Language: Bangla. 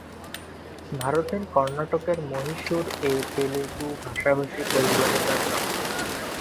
ভারতের কর্ণাটকের মহীশূর এ তেলুগু ভাষাভাষী পরিবারে তার জন্ম।